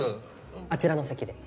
あちらの席で。